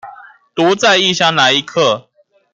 獨在異鄉來一客